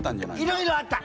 いろいろあった。